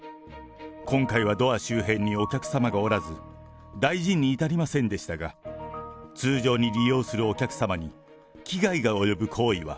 今回はドア周辺にお客様がおらず、大事に至りませんでしたが、通常に利用するお客様に危害が及ぶ行為は、